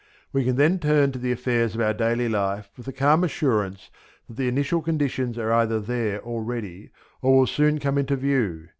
We can then turn to the affairs of our daily life with the calm assurance that the initial conditions are either there already or will soon come into view.